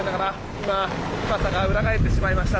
今、傘が裏返ってしまいました。